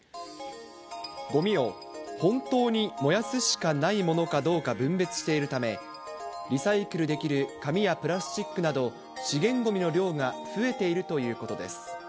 ごみを本当に燃やすしかないものかどうか分別しているため、リサイクルできる紙やプラスチックなど、資源ごみの量が増えているということです。